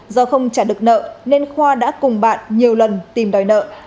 do không trả được nợ nên khoa đã cùng bạn nhiều lần tìm đòi nợ